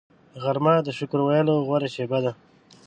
غرمه د شکر ویلو غوره شیبه ده